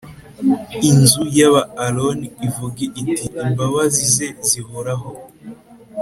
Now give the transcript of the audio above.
Inzu y aba Aroni ivuge iti Imbabazi ze zihoraho